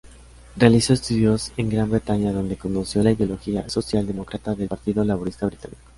Realizó estudios en Gran Bretaña donde conoció la ideología socialdemócrata del Partido Laborista Británico.